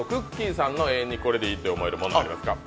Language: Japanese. さんの永遠にこれいいと思えるもの何ですか？